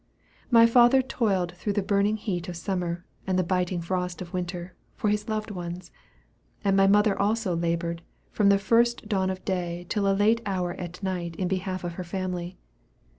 My father toiled through the burning heat of summer, and the biting frost of winter, for his loved ones; and my mother also labored, from the first dawn of day till a late hour at night in behalf of her family.